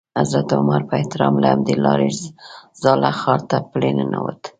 حضرت عمر په احترام له همدې لارې زاړه ښار ته پلی ننوت.